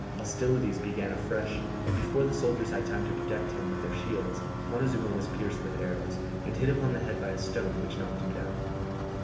Hostilities began afresh, and before the soldiers had time to protect him with their shields, Montezuma was pierced with arrows, and hit upon the head by a stone which knocked him down.